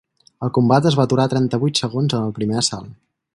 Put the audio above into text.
El combat es va aturar trenta-vuit segons en el primer assalt.